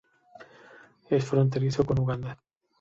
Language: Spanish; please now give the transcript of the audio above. Es fronterizo con Uganda.